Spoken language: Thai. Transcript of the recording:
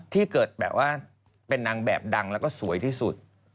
ที่เกิดแบบว่าเป็นนางแบบดังแล้วก็สวยที่สุด